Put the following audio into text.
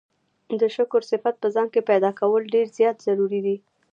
د شکر صفت په ځان کي پيدا کول ډير زيات ضروري دی